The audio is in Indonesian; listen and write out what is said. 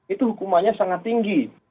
itu hukumannya sangat tinggi